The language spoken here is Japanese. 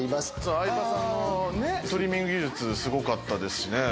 相葉さんのトリミング技術、すごかったですしね。